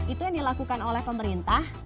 itu yang dilakukan oleh pemerintah